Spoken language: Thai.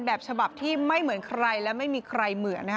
แบบฉบับที่ไม่เหมือนใครและไม่มีใครเหมือน